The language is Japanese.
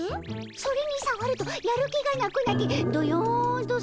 それにさわるとやる気がなくなってどよんとするでおじゃる。